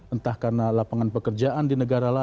entah karena lapangan pekerjaan di negara lain